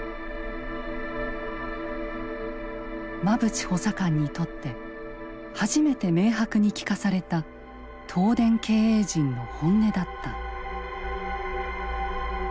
馬淵補佐官にとって初めて明白に聞かされた東電経営陣の本音だった。